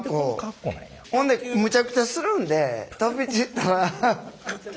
ほんでむちゃくちゃするんで飛び散ったら。